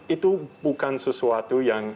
itu bukan sesuatu yang